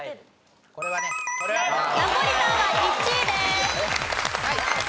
ナポリタンは１位です。